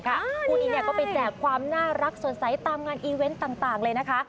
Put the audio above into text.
คู่นี้ก็ไปแจกความน่ารักสดใสตามงานอีเวนต์ต่างเลยนะคะ